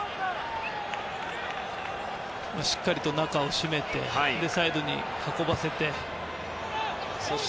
しっかり中をしめてサイドに運ばせて。